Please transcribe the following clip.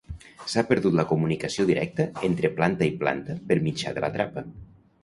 S'ha perdut la comunicació directa entre planta i planta per mitjà de la trapa.